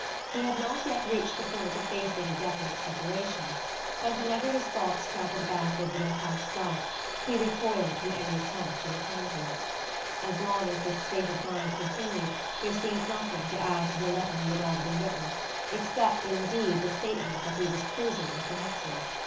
He had not yet reached the point of facing a definite separation; but whenever his thoughts travelled back over their past life he recoiled from any attempt to return to it. As long as this state of mind continued there seemed nothing to add to the letter he had already written, except indeed the statement that he was cruising with the Hickses.